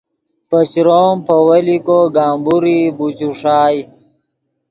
پے چروم پے ویلیکو گمبورئی بوچوݰائے